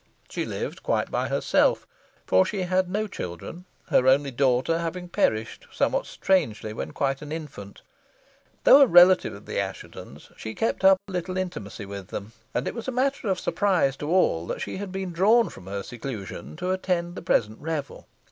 She lived quite by herself, for she had no children, her only daughter having perished somewhat strangely when quite an infant. Though a relative of the Asshetons, she kept up little intimacy with them, and it was a matter of surprise to all that she had been drawn from her seclusion to attend the present revel.